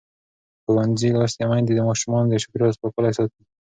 ښوونځې لوستې میندې د ماشومانو د چاپېریال پاکوالي ساتي.